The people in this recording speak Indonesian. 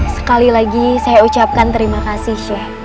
sekali lagi saya ucapkan terima kasih chef